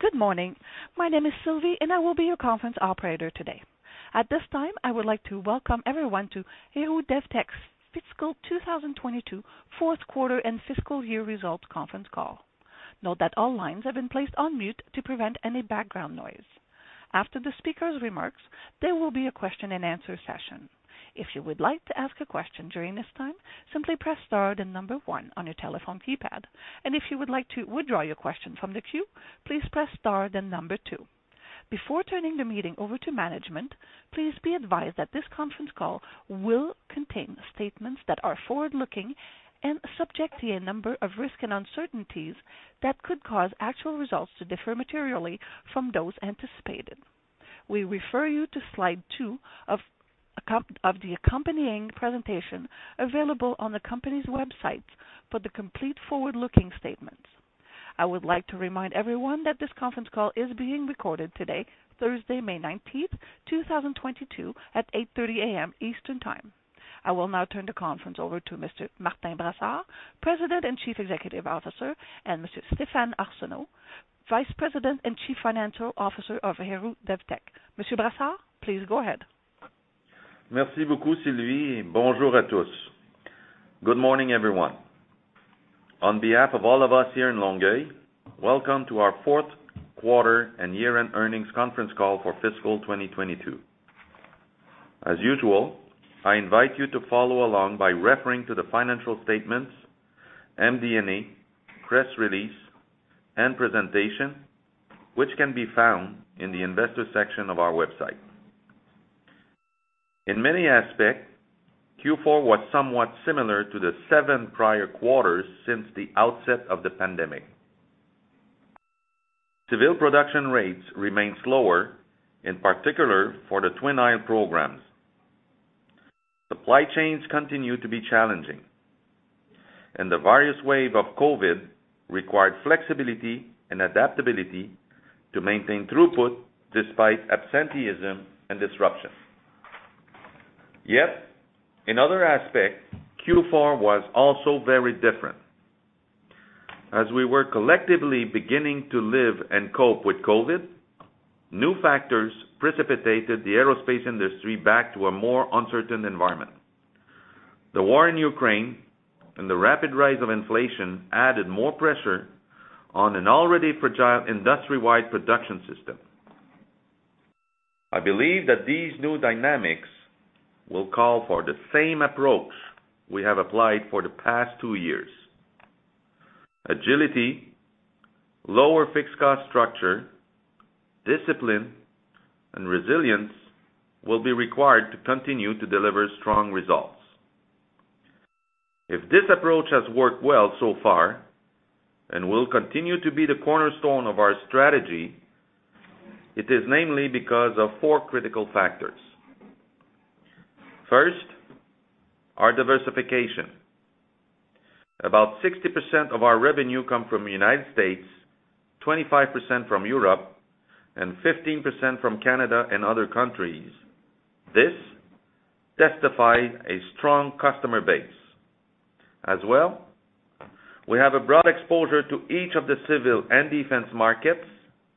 Good morning. My name is Sylvie, and I will be your conference operator today. At this time, I would like to welcome everyone to Héroux-Devtek's Fiscal 2022 Fourth Quarter and fiscal year results conference call. Note that all lines have been placed on mute to prevent any background noise. After the speaker's remarks, there will be a question-and-answer session. If you would like to ask a question during this time, simply press star then one on your telephone keypad. If you would like to withdraw your question from the queue, please press star then two. Before turning the meeting over to management, please be advised that this conference call will contain statements that are forward-looking and subject to a number of risks and uncertainties that could cause actual results to differ materially from those anticipated. We refer you to slide two of the accompanying presentation available on the company's website for the complete forward-looking statements. I would like to remind everyone that this conference call is being recorded today, Thursday, May 19, 2022, at 8:30 A.M. Eastern Time. I will now turn the conference over to Mr. Martin Brassard, President and Chief Executive Officer, and Mr. Stéphane Arsenault, Vice President and Chief Financial Officer of Héroux-Devtek. Mr. Brassard, please go ahead. Merci beaucoup, Sylvie. Bonjour à tous. Good morning, everyone. On behalf of all of us here in Longueuil, welcome to our fourth quarter and year-end earnings conference call for fiscal 2022. As usual, I invite you to follow along by referring to the financial statements, MD&A, press release, and presentation, which can be found in the investor section of our website. In many aspects, Q4 was somewhat similar to the seven prior quarters since the outset of the pandemic. Civil production rates remained slower, in particular for the Twin Aisle programs. Supply chains continued to be challenging, and the various waves of COVID required flexibility and adaptability to maintain throughput despite absenteeism and disruption. Yet, in other aspects, Q4 was also very different. As we were collectively beginning to live and cope with COVID, new factors precipitated the aerospace industry back to a more uncertain environment. The war in Ukraine and the rapid rise of inflation added more pressure on an already fragile industry-wide production system. I believe that these new dynamics will call for the same approach we have applied for the past two years. Agility, lower fixed cost structure, discipline, and resilience will be required to continue to deliver strong results. If this approach has worked well so far and will continue to be the cornerstone of our strategy, it is namely because of four critical factors. First, our diversification. About 60% of our revenue come from the United States, 25% from Europe, and 15% from Canada and other countries. This testifies a strong customer base. As well, we have a broad exposure to each of the civil and defense markets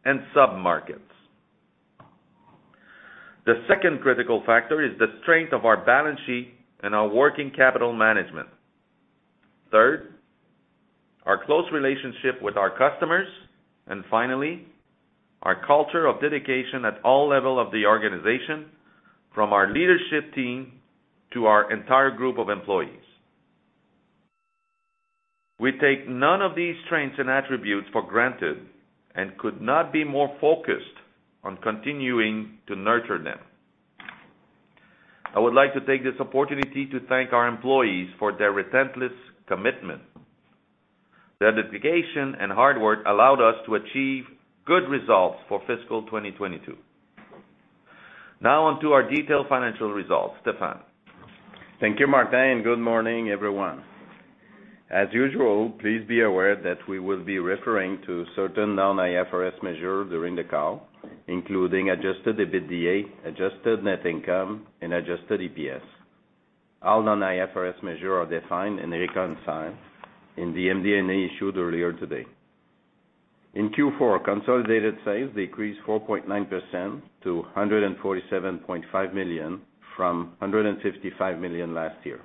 and sub-markets. The second critical factor is the strength of our balance sheet and our working capital management. Third, our close relationship with our customers. Finally, our culture of dedication at all level of the organization, from our leadership team to our entire group of employees. We take none of these strengths and attributes for granted and could not be more focused on continuing to nurture them. I would like to take this opportunity to thank our employees for their relentless commitment. Their dedication and hard work allowed us to achieve good results for fiscal 2022. Now onto our detailed financial results. Stéphane. Thank you, Martin, and good morning, everyone. As usual, please be aware that we will be referring to certain non-IFRS measures during the call, including Adjusted EBITDA, Adjusted net income, and Adjusted EPS. All non-IFRS measures are defined and reconciled in the MD&A issued earlier today. In Q4, consolidated sales decreased 4.9% to 147.5 million from 155 million last year.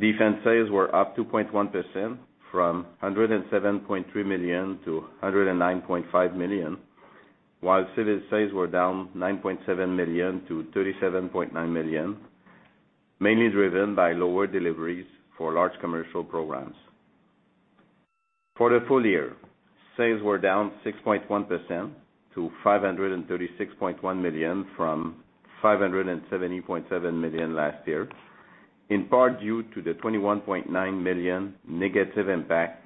Defense sales were up 2.1% from 107.3 million to 109.5 million, while civil sales were down 9.7 million to 37.9 million, mainly driven by lower deliveries for large commercial programs. For the full year, sales were down 6.1% to 536.1 million from 570.7 million last year, in part due to the 21.9 million negative impact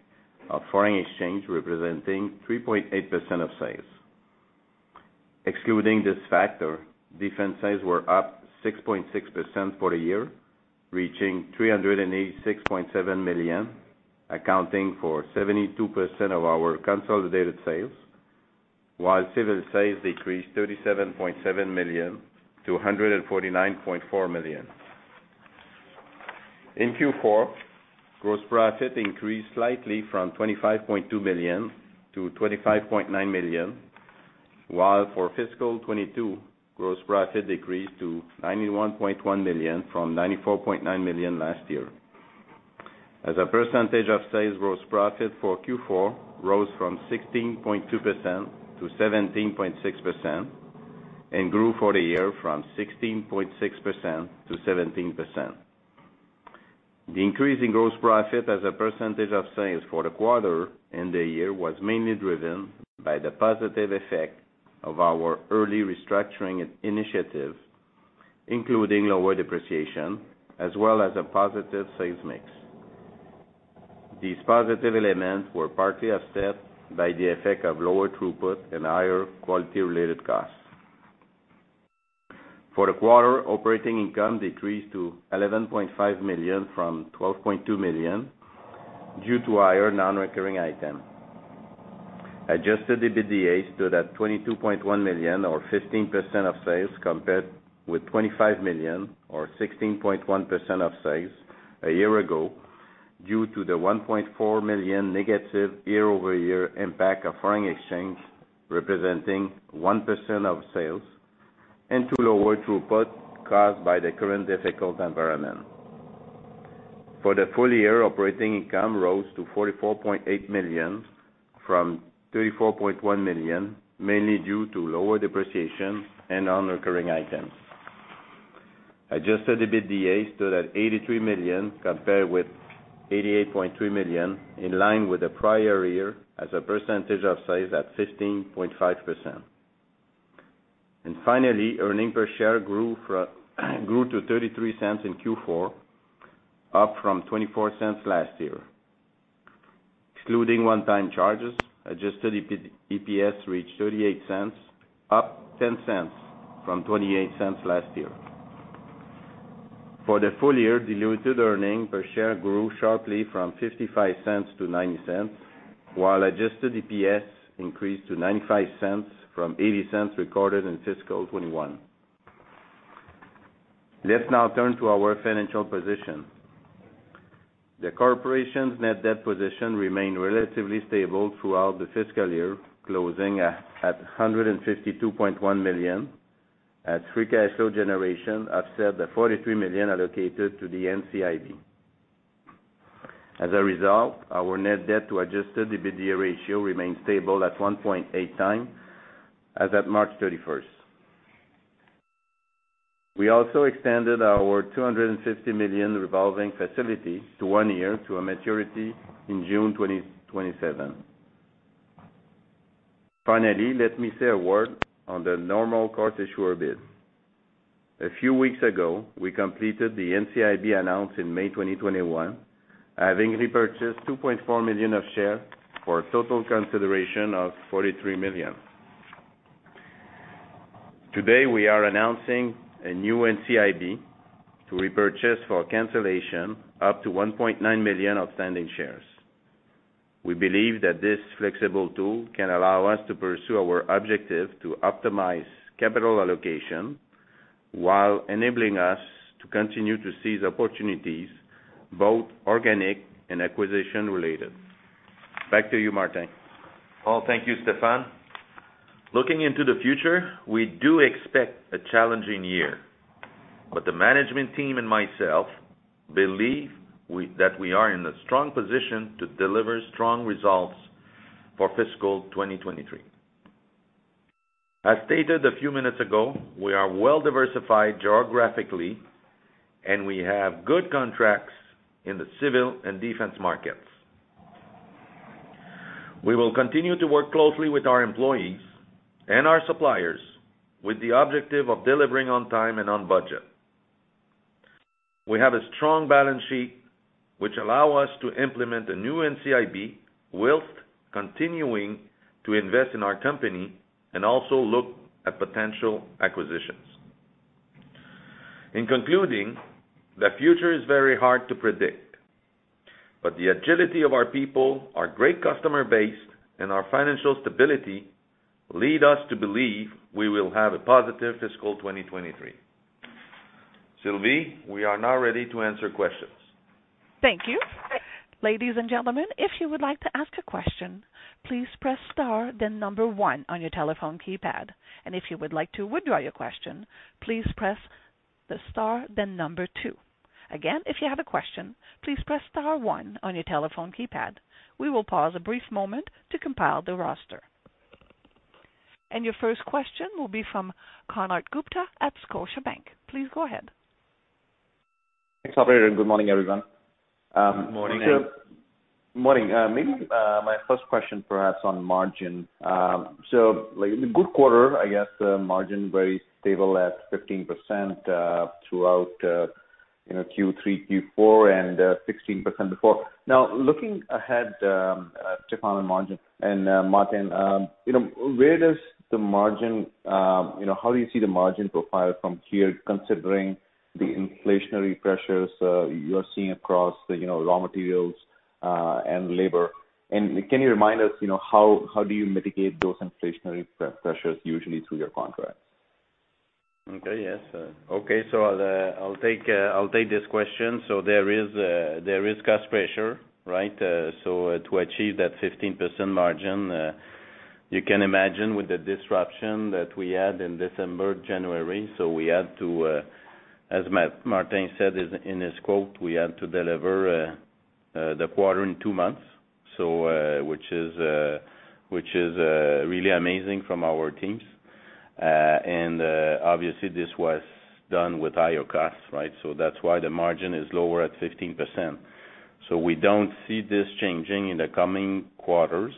of foreign exchange, representing 3.8% of sales. Excluding this factor, defense sales were up 6.6% for the year, reaching 386.7 million, accounting for 72% of our consolidated sales, while civil sales decreased 37.7 million to 149.4 million. In Q4, gross profit increased slightly from 25.2 million to 25.9 million, while for fiscal 2022, gross profit decreased to 91.1 million from 94.9 million last year. As a percentage of sales, gross profit for Q4 rose from 16.2% to 17.6% and grew for the year from 16.6% to 17%. The increase in gross profit as a percentage of sales for the quarter and the year was mainly driven by the positive effect of our early restructuring initiative, including lower depreciation as well as a positive sales mix. These positive elements were partly offset by the effect of lower throughput and higher quality-related costs. For the quarter, operating income decreased to 11.5 million from 12.2 million due to higher non-recurring items. Adjusted EBITDA stood at 22.1 million or 15% of sales compared with 25 million or 16.1% of sales a year ago, due to the 1.4 million negative year-over-year impact of foreign exchange, representing 1% of sales and to lower throughput caused by the current difficult environment. For the full year, operating income rose to 44.8 million from 34.1 million, mainly due to lower depreciation and non-recurring items. Adjusted EBITDA stood at 83 million compared with 88.3 million, in line with the prior year as a percentage of sales at 15.5%. Finally, earnings per share grew to 0.33 in Q4, up from 0.24 last year. Excluding one-time charges, Adjusted EPS reached 0.38, up 0.10 from 0.28 last year. For the full year, diluted earnings per share grew sharply from 0.55 to 0.90, while Adjusted EPS increased to 0.95 from 0.80 recorded in fiscal 2021. Let's now turn to our financial position. The corporation's net debt position remained relatively stable throughout the fiscal year, closing at 152.1 million, as free cash flow generation offset the 43 million allocated to the NCIB. As a result, our net debt to Adjusted EBITDA ratio remains stable at 1.8x as at March 31st. We also extended our 250 million revolving facility to one year to a maturity in June 2027. Finally, let me say a word on the normal course issuer bid. A few weeks ago, we completed the NCIB announced in May 2021, having repurchased 2.4 million of shares for a total consideration of 43 million. Today, we are announcing a new NCIB to repurchase for cancellation up to 1.9 million outstanding shares. We believe that this flexible tool can allow us to pursue our objective to optimize capital allocation while enabling us to continue to seize opportunities, both organic and acquisition-related. Back to you, Martin. Thank you, Stéphane. Looking into the future, we do expect a challenging year, but the management team and myself believe that we are in a strong position to deliver strong results for fiscal 2023. As stated a few minutes ago, we are well diversified geographically, and we have good contracts in the civil and defense markets. We will continue to work closely with our employees and our suppliers with the objective of delivering on time and on budget. We have a strong balance sheet which allow us to implement a new NCIB while continuing to invest in our company and also look at potential acquisitions. In concluding, the future is very hard to predict, but the agility of our people, our great customer base, and our financial stability lead us to believe we will have a positive fiscal 2023. Sylvie, we are now ready to answer questions. Thank you. Ladies and gentlemen, if you would like to ask a question, please press star then number one on your telephone keypad. If you would like to withdraw your question, please press the star then number two. Again, if you have a question, please press star one on your telephone keypad. We will pause a brief moment to compile the roster. Your first question will be from Konark Gupta at Scotiabank. Please go ahead. Thanks, operator, and good morning, everyone. Morning. Morning. Maybe my first question perhaps on margin. So like in the good quarter, I guess, margin very stable at 15%, throughout, you know, Q3, Q4 and, 16% before. Now, looking ahead, Stéphane on margin and, Martin, you know, where does the margin, you know, how do you see the margin profile from here, considering the inflationary pressures you're seeing across the, you know, raw materials, and labor? And can you remind us, you know, how do you mitigate those inflationary pressures usually through your contract? Yes. I'll take this question. There is cost pressure, right? To achieve that 15% margin, you can imagine with the disruption that we had in December, January, we had to, as Martin said in his quote, we had to deliver the quarter in two months, which is really amazing from our teams. Obviously this was done with higher costs, right? That's why the margin is lower at 15%. We don't see this changing in the coming quarters.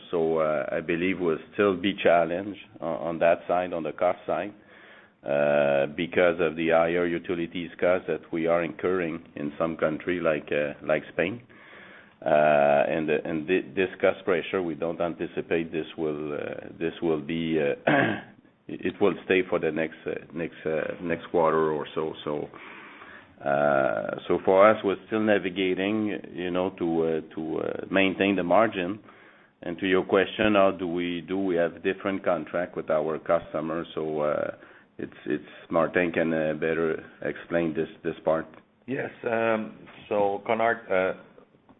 I believe we'll still be challenged on that side, on the cost side, because of the higher utilities cost that we are incurring in some country like Spain. This cost pressure, we don't anticipate this will stay for the next quarter or so. For us, we're still navigating, you know, to maintain the margin. To your question, how do we do? We have different contracts with our customers, so Martin can better explain this part. Yes. Konark,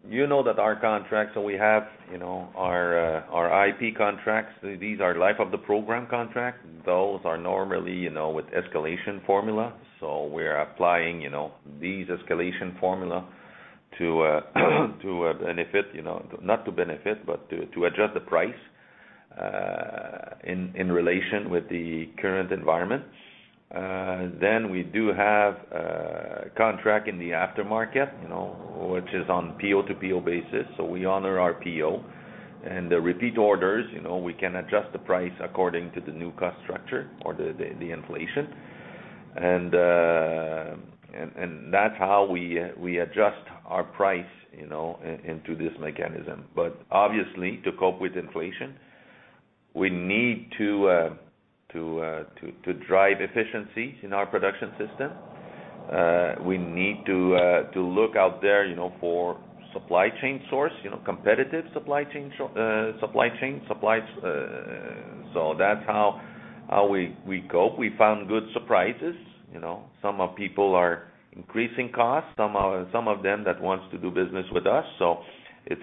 you know that our contracts that we have, you know, are IP contracts. These are life of the program contract. Those are normally, you know, with escalation formula. We're applying, you know, these escalation formula to benefit, you know, not to benefit, but to adjust the price, in relation with the current environment. We do have contract in the aftermarket, you know, which is on PO-to-PO basis. We honor our PO. The repeat orders, you know, we can adjust the price according to the new cost structure or the inflation. That's how we adjust our price, you know, into this mechanism. Obviously, to cope with inflation, we need to drive efficiencies in our production system. We need to look out there, you know, for supply chain source, you know, competitive supply chain supplies. That's how we cope. We found good surprises, you know. Some people are increasing costs. Some of them that wants to do business with us. It's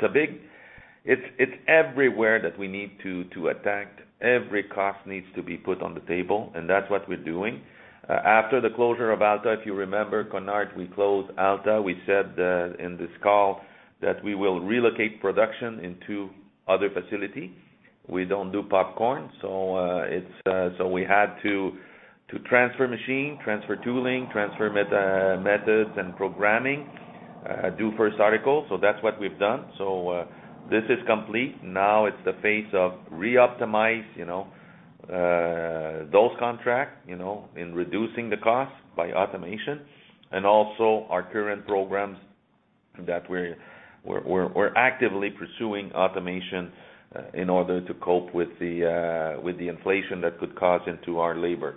everywhere that we need to attack. Every cost needs to be put on the table, and that's what we're doing. After the closure of Alta Precision, if you remember, Konark, we closed Alta Precision. We said in this call that we will relocate production into other facility. We don't do popcorn. We had to transfer machine, transfer tooling, transfer methods and programming, do first article. That's what we've done. This is complete. Now it's the phase of reoptimize, you know, those contract, you know, in reducing the cost by automation and also our current programs that we're actively pursuing automation in order to cope with the inflation that could cause into our labor.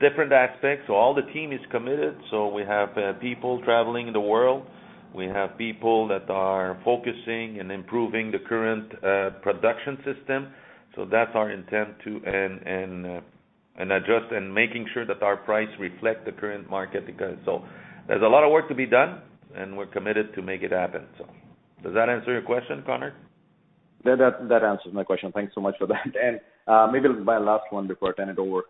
Different aspects. All the team is committed. We have people traveling the world. We have people that are focusing and improving the current production system. That's our intent to adjust and making sure that our price reflect the current market, because. There's a lot of work to be done, and we're committed to make it happen. Does that answer your question, Konark? Yeah, that answers my question. Thanks so much for that. Maybe my last one before I turn it over.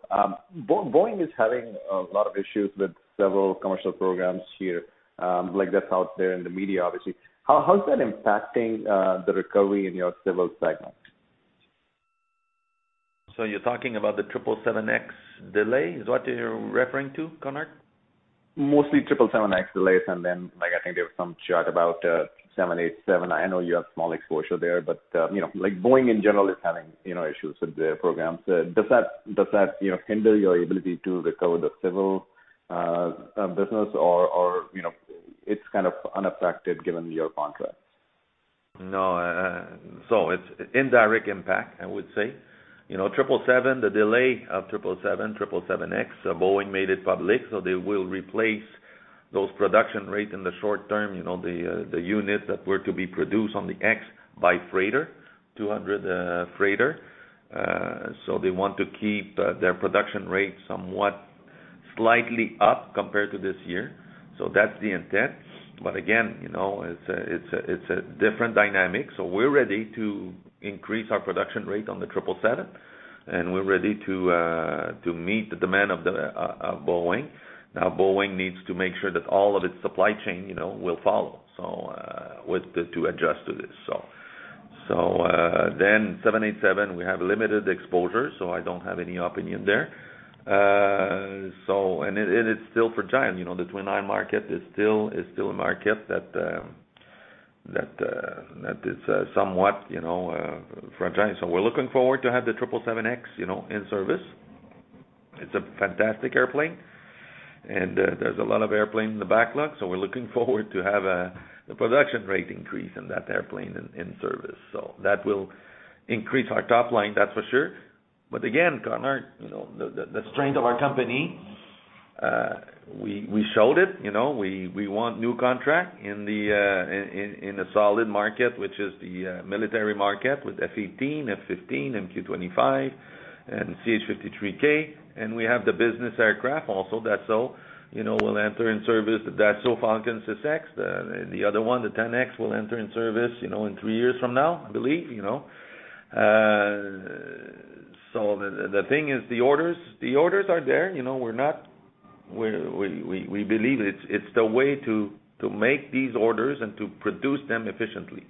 Boeing is having a lot of issues with several commercial programs here, like that's out there in the media, obviously. How is that impacting the recovery in your civil segment? You're talking about the 777X delay, is what you're referring to, Konark? Mostly 777X delays and then, like, I think there was some chat about 787. I know you have small exposure there, but you know, like Boeing in general is having you know, issues with their programs. Does that you know, hinder your ability to recover the civil business or you know, it's kind of unaffected given your contracts? No. It's indirect impact, I would say. You know, 777, the delay of 777, 777X, Boeing made it public, so they will replace those production rate in the short term, you know, the units that were to be produced on the X by freighter, 200 freighter. They want to keep their production rate somewhat slightly up compared to this year. That's the intent. But again, you know, it's a different dynamic. We're ready to increase our production rate on the 777, and we're ready to meet the demand of Boeing. Now, Boeing needs to make sure that all of its supply chain, you know, will follow, so to adjust to this, so. Then 787, we have limited exposure, so I don't have any opinion there. It is still fragile. You know, the twin-aisle market is still a market that is somewhat fragile. We're looking forward to have the 777X, you know, in service. It's a fantastic airplane, and there's a lot of airplane in the backlog. We're looking forward to have the production rate increase in that airplane in service. That will increase our top line, that's for sure. Again, Konark, you know, the strength of our company. We showed it, you know. We won new contract in the solid market, which is the military market with F-18, F-15, MQ-25 and CH-53K. We have the business aircraft also, Dassault. You know, we'll enter in service the Dassault Falcon 6X. The other one, the 10X will enter in service, you know, in three years from now, I believe, you know. The thing is the orders are there. You know, we believe it's the way to make these orders and to produce them efficiently.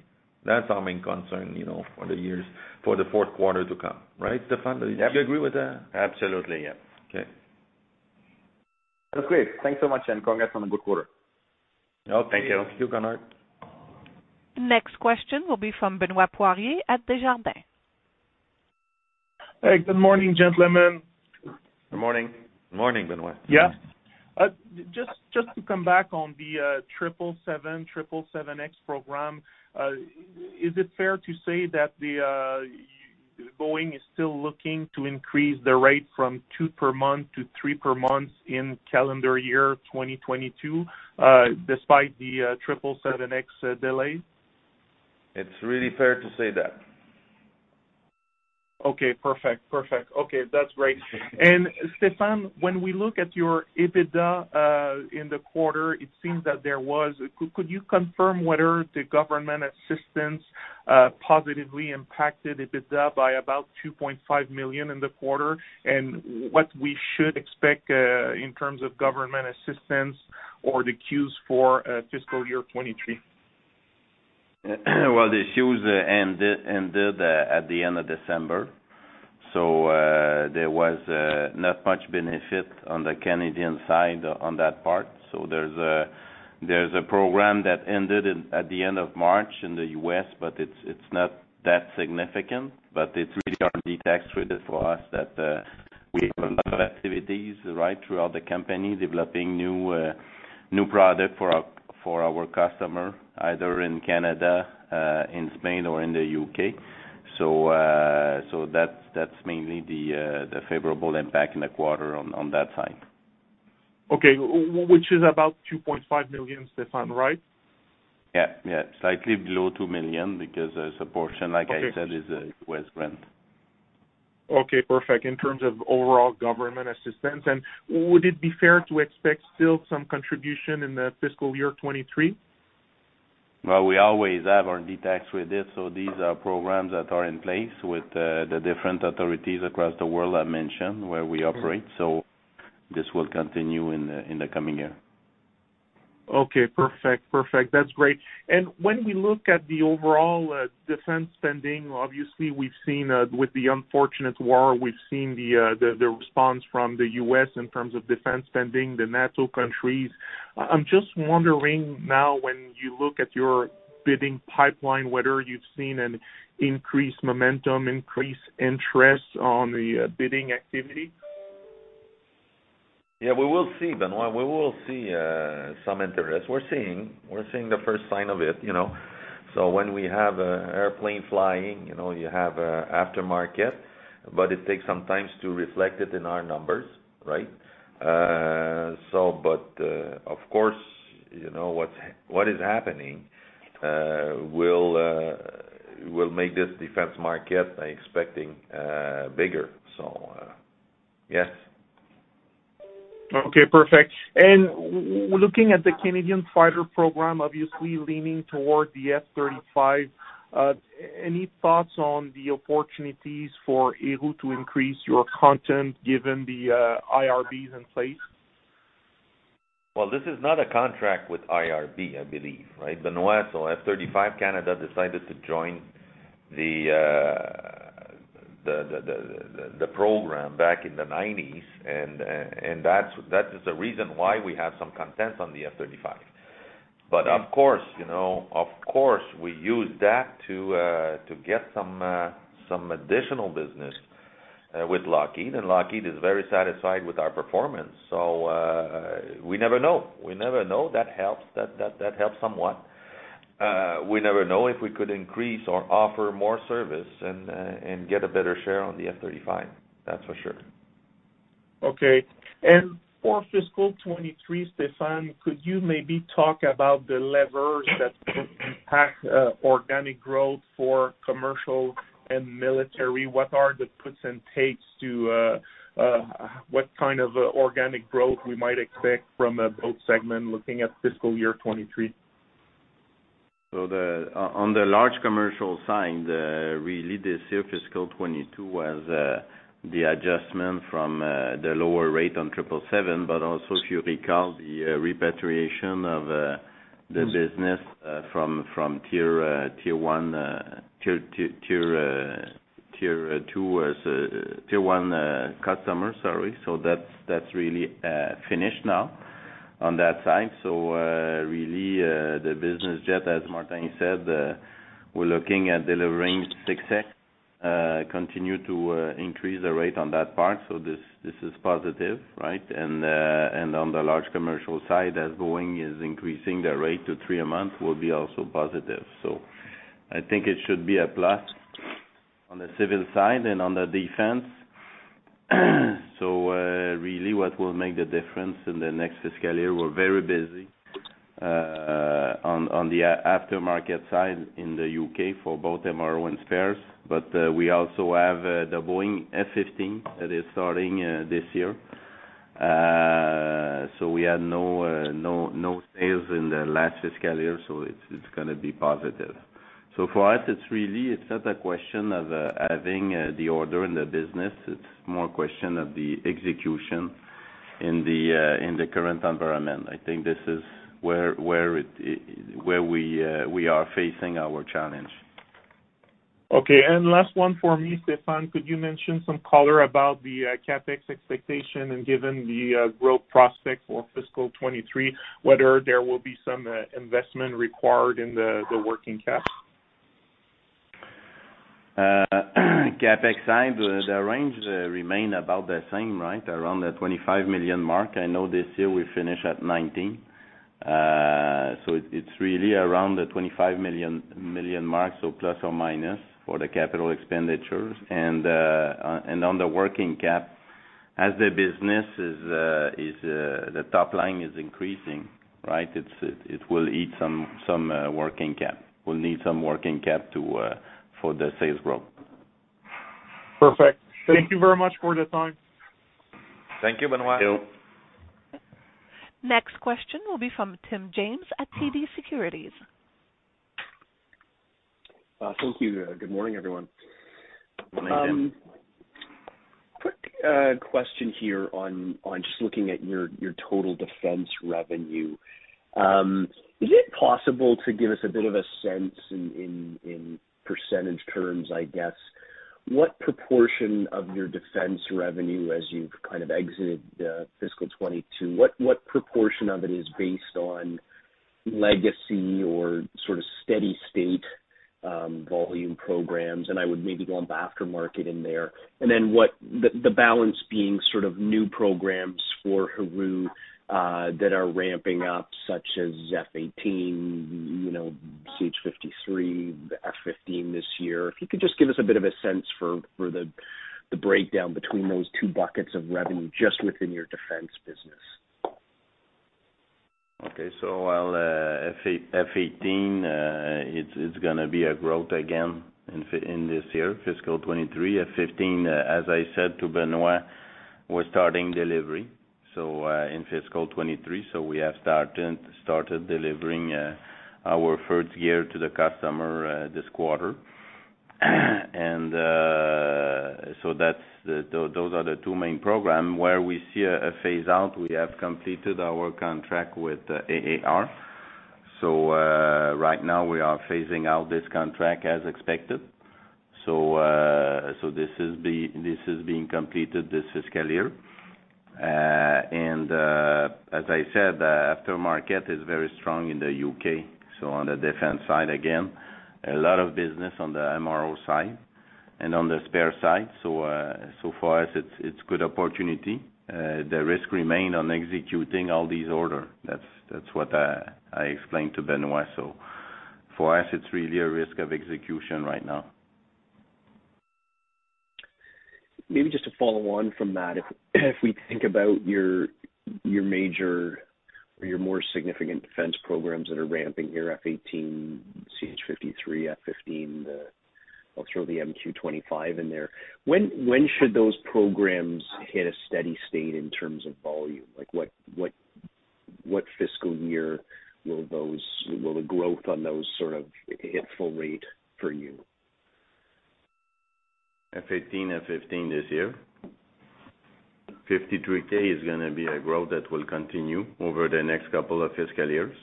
That's our main concern, you know, for the fourth quarter to come, right, Stéphane? Yep. Do you agree with that? Absolutely, yeah. Okay. That's great. Thanks so much, and congrats on a good quarter. Okay. Thank you. Thank you, Konark. Next question will be from Benoit Poirier at Desjardins. Hey, good morning, gentlemen. Good morning. Morning, Benoit. Yeah. Just to come back on the 777X program, is it fair to say that Boeing is still looking to increase the rate from two per month to three per month in calendar year 2022, despite the 777X delay? It's really fair to say that. Okay. Perfect. Okay, that's great. Stéphane, when we look at your EBITDA in the quarter, it seems that there was. Could you confirm whether the government assistance positively impacted EBITDA by about 2.5 million in the quarter, and what we should expect in terms of government assistance or the CEWS for fiscal year 2023? Well, the CEWS ended at the end of December. There was not much benefit on the Canadian side on that part. There's a program that ended at the end of March in the U.S., but it's not that significant. It's really R&D tax credit for us that we have a lot of activities right throughout the company, developing new product for our customer, either in Canada, in Spain or in the U.K. That's mainly the favorable impact in the quarter on that side. Okay. Which is about 2.5 million, Stéphane, right? Yeah, yeah. Slightly below 2 million because there's a portion, like I said. Okay. is a West grant. Okay, perfect. In terms of overall government assistance, would it be fair to expect still some contribution in the fiscal year 2023? Well, we always have R&D tax with this, so these are programs that are in place with the different authorities across the world I mentioned where we operate. Mm-hmm. This will continue in the coming year. Okay. Perfect. That's great. When we look at the overall defense spending, obviously we've seen with the unfortunate war, we've seen the response from the U.S. in terms of defense spending, the NATO countries. I'm just wondering now when you look at your bidding pipeline, whether you've seen an increased momentum, increased interest on the bidding activity? Yeah, we will see, Benoit. We will see some interest. We're seeing the first sign of it, you know. When we have a airplane flying, you know, you have a aftermarket, but it takes some time to reflect it in our numbers, right? Of course, you know, what is happening will make this defense market I am expecting bigger. Yes. Okay, perfect. Looking at the Canadian fighter program, obviously leaning toward the F-35, any thoughts on the opportunities for Airbus to increase your content given the IRBs in place? Well, this is not a contract with IRB, I believe, right, Benoit? F-35 Canada decided to join the program back in the 1990s and that's the reason why we have some content on the F-35. Of course, you know, of course we use that to get some additional business with Lockheed Martin, and Lockheed Martin is very satisfied with our performance. We never know. That helps somewhat. We never know if we could increase or offer more service and get a better share on the F-35. That's for sure. Okay. For fiscal 2023, Stéphane, could you maybe talk about the levers that could impact organic growth for commercial and military? What are the puts and takes to what kind of organic growth we might expect from both segments looking at fiscal year 2023? On the large commercial side, really this year, fiscal 2022 was the adjustment from the lower rate on 777, but also if you recall the repatriation of the business from tier two to tier one customer. That's really finished now on that side. Really, the business jet, as Martin said, we're looking at delivering success, continue to increase the rate on that part. This is positive, right? On the large commercial side, as Boeing is increasing their rate to three a month, that will be also positive. I think it should be a plus. On the civil side and on the defense. Really what will make the difference in the next fiscal year, we're very busy on the aftermarket side in the U.K. for both MRO and spares. We also have the Boeing F-15 that is starting this year. We had no sales in the last fiscal year, so it's gonna be positive. For us, it's really not a question of having the order in the business. It's more a question of the execution in the current environment. I think this is where we are facing our challenge. Okay. Last one for me, Stéphane. Could you mention some color about the CapEx expectation and given the growth prospect for fiscal 2023, whether there will be some investment required in the working cap? CapEx side, the range remains about the same, right? Around the 25 million mark. I know this year we finish at 19 million. So it's really around the 25 million mark, so plus or minus for the capital expenditures. On the working cap, as the business is the top line is increasing, right? It will eat some working cap. We'll need some working cap for the sales growth. Perfect. Thank you very much for the time. Thank you, Benoit. Thank you. Next question will be from Tim James at TD Securities. Thank you. Good morning, everyone. Good morning, Tim. Quick question here on just looking at your total defense revenue. Is it possible to give us a bit of a sense in percentage terms, I guess, what proportion of your defense revenue as you've kind of exited fiscal 2022, what proportion of it is based on legacy or sort of steady state volume programs? I would maybe lump aftermarket in there. Then the balance being sort of new programs for Héroux-Devtek that are ramping up, such as F-18, you know, CH-53, the F-15 this year. If you could just give us a bit of a sense for the breakdown between those two buckets of revenue just within your defense business. Okay. While F-18, it's gonna be a growth again in this year, fiscal 2023. F-15, as I said to Benoit, we're starting delivery in fiscal 2023. We have started delivering our first year to the customer this quarter. Those are the two main program. Where we see a phase out, we have completed our contract with AAR. Right now we are phasing out this contract as expected. This is being completed this fiscal year. As I said, aftermarket is very strong in the U.K. On the defense side, again, a lot of business on the MRO side and on the spare side. For us, it's good opportunity. The risk remain on executing all these order. That's what I explained to Benoit. For us, it's really a risk of execution right now. Maybe just to follow on from that, if we think about your major or your more significant defense programs that are ramping here, F-18, CH-53, F-15, I'll throw the MQ-25 in there. When should those programs hit a steady state in terms of volume? Like, what fiscal year will the growth on those sort of hit full rate for you? F-18, F-15 this year. CH-53K is gonna be a growth that will continue over the next couple of fiscal years.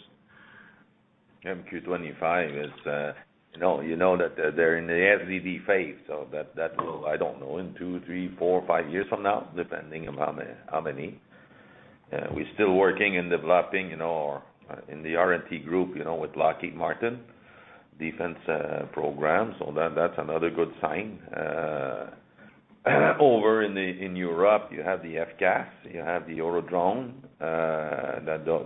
MQ-25 is, you know, you know that they're in the EMD phase, so that will, I don't know, in two, three, four, five years from now, depending on how many. We're still working on developing, you know, our in the R&T group, you know, with Lockheed Martin defense program. That, that's another good sign. Over in Europe, you have the FCAS, you have the Eurodrone,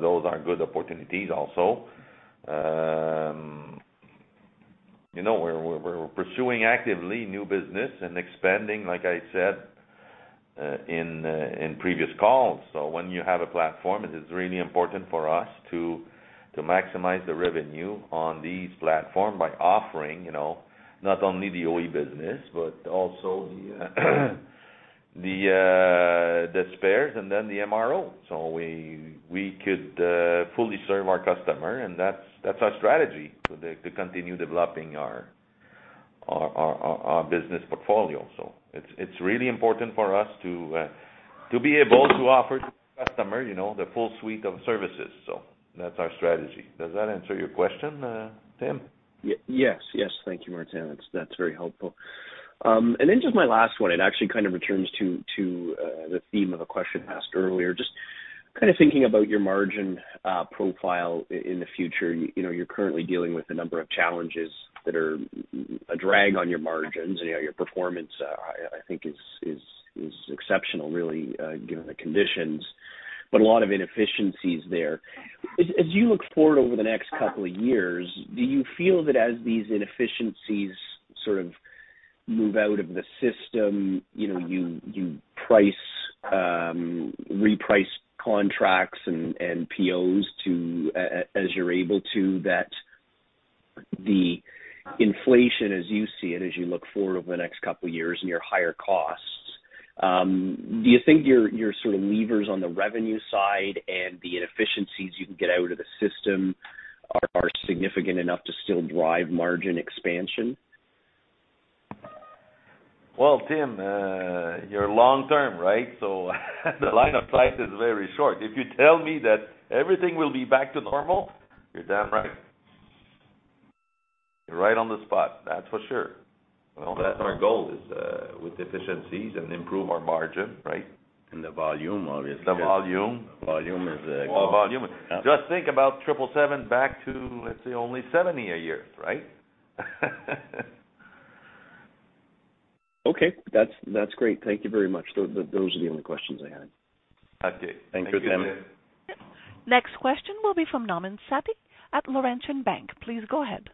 those are good opportunities also. You know, we're pursuing actively new business and expanding, like I said, in previous calls. When you have a platform, it is really important for us to maximize the revenue on these platform by offering, you know, not only the OE business, but also the spares and then the MRO. We could fully serve our customer and that's our strategy to continue developing our business portfolio. It's really important for us to be able to offer to the customer, you know, the full suite of services. That's our strategy. Does that answer your question, Tim? Yes, yes. Thank you, Martin. That's very helpful. And then just my last one, it actually kind of returns to the theme of a question asked earlier. Just kind of thinking about your margin profile in the future, you know, you're currently dealing with a number of challenges that are a drag on your margins. You know, your performance, I think is exceptional really, given the conditions. A lot of inefficiencies there. As you look forward over the next couple of years, do you feel that as these inefficiencies sort of move out of the system, you know, you reprice contracts and POs to as you're able to, that the inflation as you see it, as you look forward over the next couple of years and your higher costs, do you think your sort of levers on the revenue side and the inefficiencies you can get out of the system are significant enough to still drive margin expansion? Well, Tim, you're long-term, right? The line of sight is very short. If you tell me that everything will be back to normal, you're damn right. You're right on the spot, that's for sure. Well, that's our goal is with efficiencies and improve our margin, right? The volume, obviously. The volume. The volume is. Our volume. Just think about 777 back to, let's say only 70 a year, right? Okay. That's great. Thank you very much. Those are the only questions I had. Okay. Thank you, Tim. Thanks, Tim. Next question will be from Nauman Satti at Laurentian Bank. Please go ahead.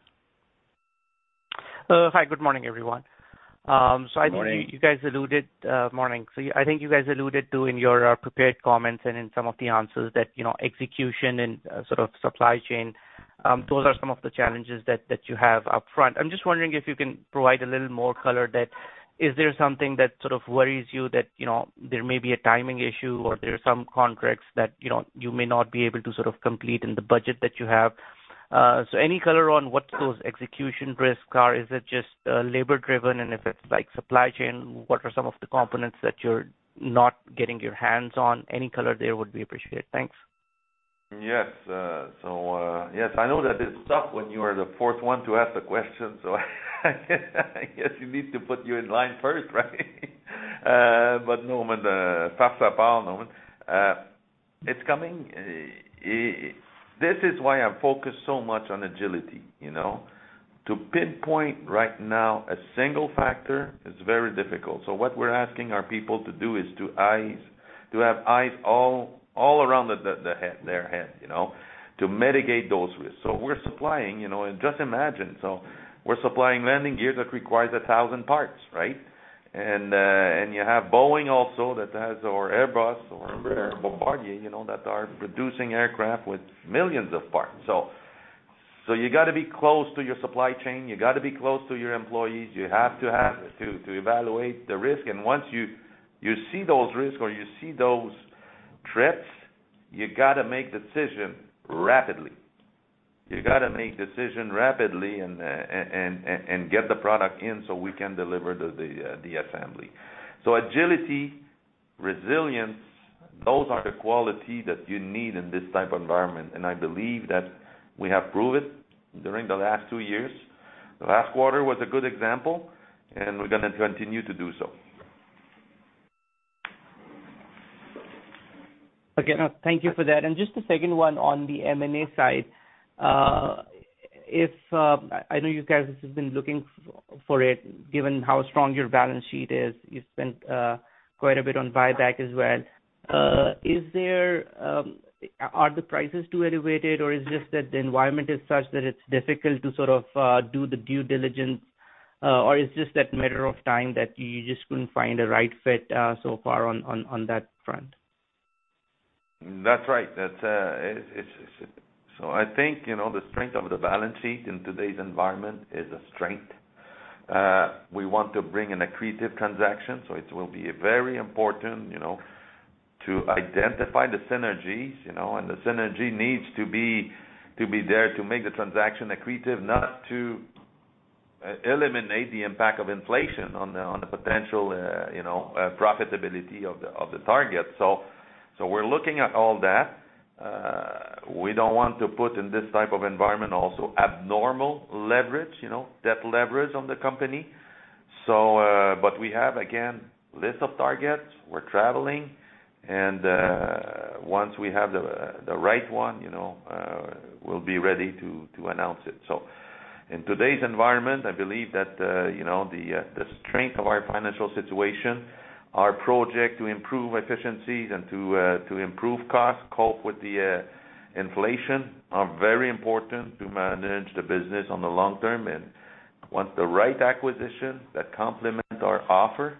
Hi, good morning, everyone. Good morning. Good morning. I think you guys alluded to in your prepared comments and in some of the answers that, you know, execution and sort of supply chain, those are some of the challenges that you have up front. I'm just wondering if you can provide a little more color on that. Is there something that sort of worries you that, you know, there may be a timing issue or there are some contracts that, you know, you may not be able to sort of complete in the budget that you have. Any color on what those execution risks are? Is it just labor driven? If it's like supply chain, what are some of the components that you're not getting your hands on? Any color there would be appreciated. Thanks. Yes, I know that it's tough when you are the fourth one to ask a question. I guess we need to put you in line first, right? Nauman, It's coming. This is why I'm focused so much on agility, you know? To pinpoint right now a single factor is very difficult. What we're asking our people to do is to have eyes all around their head, you know, to mitigate those risks. We're supplying, you know, just imagine. We're supplying landing gear that requires 1,000 parts, right? And you have Boeing, as well as Airbus or Bombardier, you know, that are producing aircraft with millions of parts. You gotta be close to your supply chain. You gotta be close to your employees. You have to evaluate the risk. Once you see those risks or you see those traps, you gotta make decision rapidly. You gotta make decision rapidly and get the product in so we can deliver the assembly. Agility, resilience, those are the quality that you need in this type environment. I believe that we have proved it during the last two years. Last quarter was a good example, and we're gonna continue to do so. Okay. No, thank you for that. Just the second one on the M&A side. I know you guys have been looking for it, given how strong your balance sheet is. You've spent quite a bit on buyback as well. Are the prices too elevated or is it just that the environment is such that it's difficult to sort of do the due diligence, or is it a matter of time that you just couldn't find the right fit so far on that front? That's right. I think, you know, the strength of the balance sheet in today's environment is a strength. We want to bring an accretive transaction, so it will be very important, you know, to identify the synergies, you know. The synergy needs to be there to make the transaction accretive, not to eliminate the impact of inflation on the potential, you know, profitability of the target. We're looking at all that. We don't want to put in this type of environment also abnormal leverage, you know, debt leverage on the company. But we have, again, lists of targets. We're traveling. Once we have the right one, you know, we'll be ready to announce it. In today's environment, I believe that, you know, the strength of our financial situation, our project to improve efficiencies and to improve costs, cope with the inflation, are very important to manage the business on the long term. Once the right acquisition that complement our offer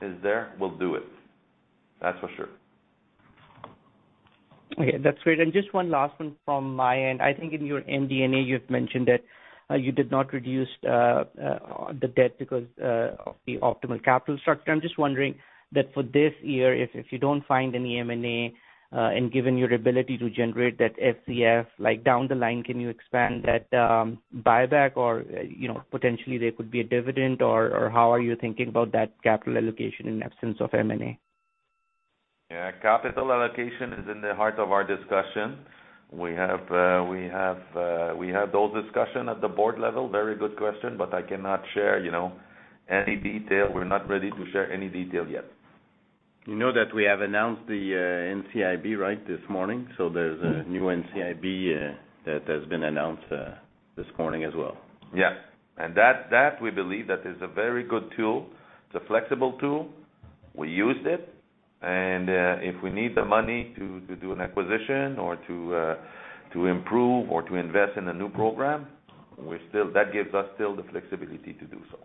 is there, we'll do it. That's for sure. Okay. That's great. Just one last one from my end. I think in your MD&A, you've mentioned that you did not reduce the debt because of the optimal capital structure. I'm just wondering that for this year, if you don't find any M&A and given your ability to generate that FCF, like down the line, can you expand that buyback or, you know, potentially there could be a dividend or how are you thinking about that capital allocation in absence of M&A? Yeah. Capital allocation is in the heart of our discussion. We have those discussion at the board level. Very good question, but I cannot share, you know, any detail. We're not ready to share any detail yet. You know that we have announced the NCIB, right, this morning. There's a new NCIB that has been announced this morning as well. Yes. That we believe that is a very good tool. It's a flexible tool. We used it, and if we need the money to do an acquisition or to improve or to invest in a new program, that gives us still the flexibility to do so.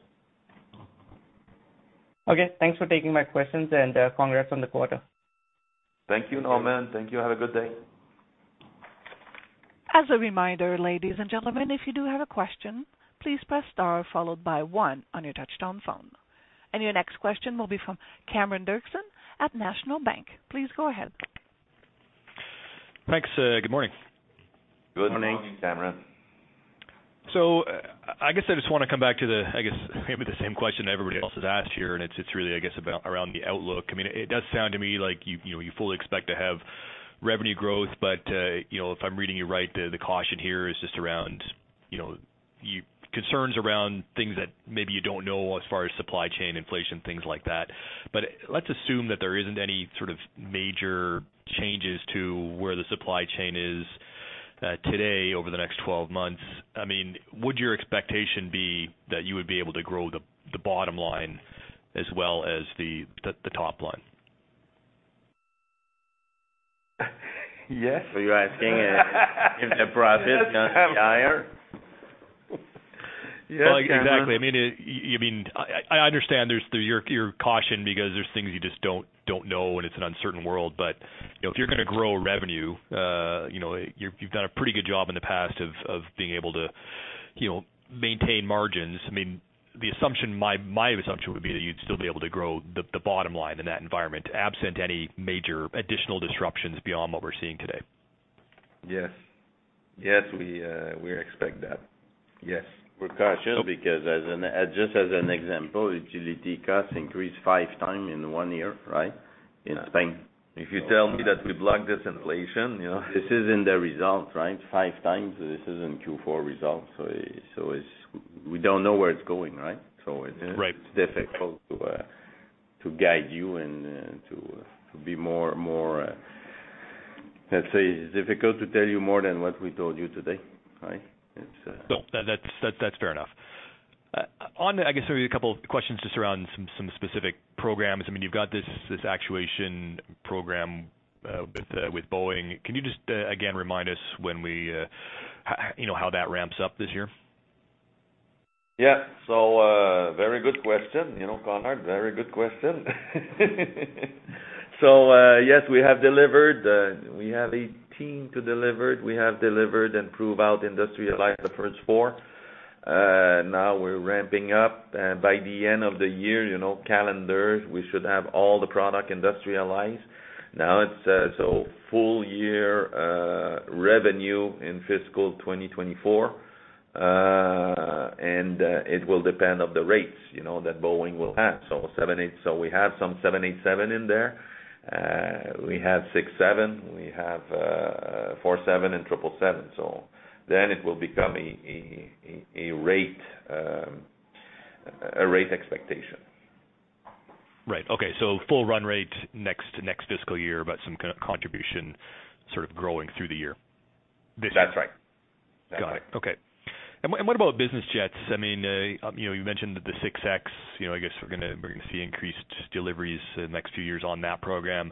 Okay. Thanks for taking my questions, and congrats on the quarter. Thank you, Nauman. Thank you. Have a good day. As a reminder, ladies and gentlemen, if you do have a question, please press star followed by one on your touch-tone phone. Your next question will be from Cameron Doerksen at National Bank Financial. Please go ahead. Thanks. Good morning. Good morning. Good morning, Cameron. I guess I just want to come back to the, I guess, maybe the same question everybody else has asked here, and it's really, I guess, about around the outlook. I mean, it does sound to me like you know you fully expect to have revenue growth. But you know, if I'm reading you right, the caution here is just around you know concerns around things that maybe you don't know as far as supply chain inflation, things like that. But let's assume that there isn't any sort of major changes to where the supply chain is today over the next 12 months, I mean, would your expectation be that you would be able to grow the bottom line as well as the top line? Yes. Are you asking if the profit is higher? Yes, Cameron. Well, exactly. I mean, I understand there's your caution because there's things you just don't know, and it's an uncertain world. You know, if you're gonna grow revenue, you know, you've done a pretty good job in the past of being able to, you know, maintain margins. I mean, the assumption, my assumption would be that you'd still be able to grow the bottom line in that environment, absent any major additional disruptions beyond what we're seeing today. Yes. Yes, we expect that. Yes. We're cautious because as just an example, utility costs increased five times in one year, right? In Spain. If you tell me that we block this inflation, you know. This is in the results, right? Five times, this is in Q4 results. We don't know where it's going, right? Right. Let's say it's difficult to tell you more than what we told you today, right? It's No, that's fair enough. On the, I guess, maybe a couple of questions just around some specific programs. I mean, you've got this actuation program with Boeing. Can you just again remind us when we, you know, how that ramps up this year? Yeah. Very good question. You know, Cameron, very good question. Yes, we have delivered. We have a team to deliver. We have delivered and prove out industrialize the first four. Now we're ramping up. By the end of the year, you know, calendar, we should have all the product industrialized. Now it's full year revenue in fiscal 2024. It will depend on the rates, you know, that Boeing will have. 787. We have some 787 in there. We have 767, we have 747 and 777. Then it will become a rate expectation. Right. Okay. Full run rate next fiscal year, but some contribution sort of growing through the year. This year. That's right. Got it. Okay. What about business jets? I mean, you know, you mentioned the 6X, you know, I guess we're gonna see increased deliveries in the next few years on that program.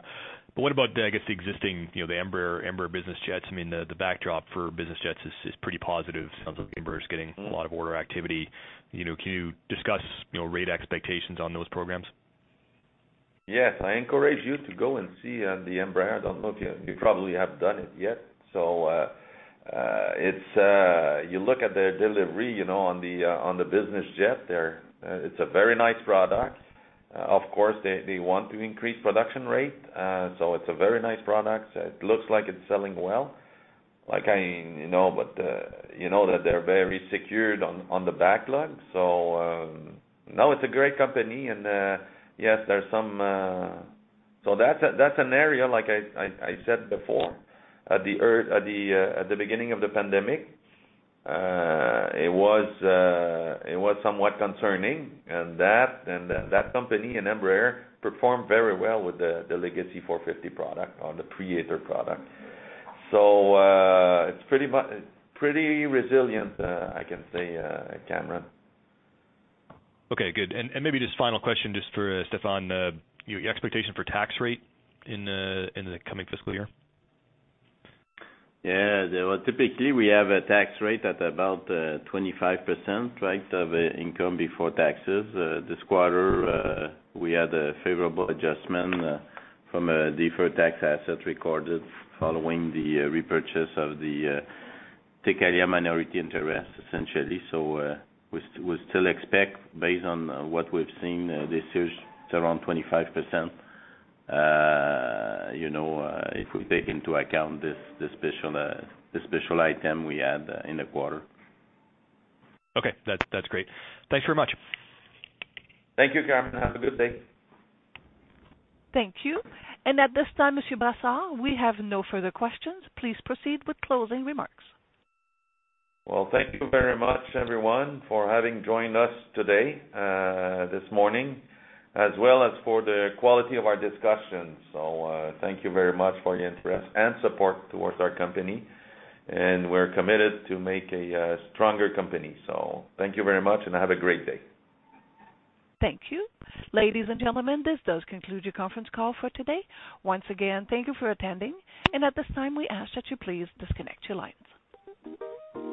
What about the existing Embraer business jets? I mean, the backdrop for business jets is pretty positive. Sounds like Embraer is getting a lot of order activity. You know, can you discuss rate expectations on those programs? Yes. I encourage you to go and see the Embraer. I don't know if you you probably have done it yet. It's you look at their delivery, you know, on the business jet. They're it's a very nice product. Of course, they want to increase production rate. It's a very nice product. It looks like it's selling well. Like, I you know, but you know that they're very secured on the backlog. No, it's a great company and yes, there's some. That's an area, like I said before, at the beginning of the pandemic, it was somewhat concerning. That company and Embraer performed very well with the Legacy 450 product or the Praetor product. It's pretty resilient, I can say, Cameron. Okay, good. Maybe just final question just for Stéphane. Your expectation for tax rate in the coming fiscal year? Yeah. Well, typically, we have a tax rate at about 25%, right, of income before taxes. This quarter, we had a favorable adjustment from a deferred tax asset recorded following the repurchase of the CESA minority interest, essentially. We still expect based on what we've seen this year, it's around 25%. You know, if we take into account this, the special item we had in the quarter. Okay. That's great. Thanks very much. Thank you, Cameron. Have a good day. Thank you. At this time, Mr. Brassard, we have no further questions. Please proceed with closing remarks. Well, thank you very much, everyone, for having joined us today, this morning, as well as for the quality of our discussion. Thank you very much for your interest and support towards our company, and we're committed to make a stronger company. Thank you very much and have a great day. Thank you. Ladies and gentlemen, this does conclude your conference call for today. Once again, thank you for attending. At this time, we ask that you please disconnect your lines.